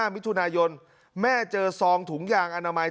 มิถุนายนแม่เจอซองถุงยางอนามัย